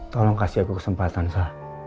tolong kasih aku kesempatan sah